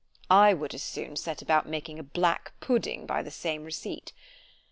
_" ——I would as soon set about making a black pudding by the same receipt.